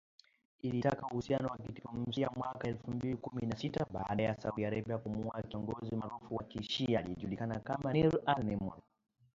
Ilikata uhusiano wa kidiplomasia mwaka elfu mbili kumi na sita, baada ya Saudi Arabia kumuua kiongozi maarufu wa kishia, aliyejulikana kama Nimr al-Nimr